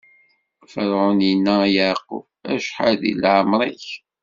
Ferɛun inna i Yeɛqub: Acḥal di lɛemṛ-ik?